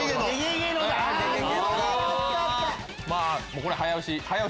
もうこれ早押し！